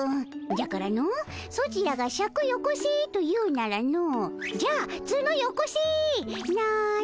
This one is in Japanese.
じゃからのソチらが「シャクよこせ」と言うならの「じゃあツノよこせ」なのじゃ。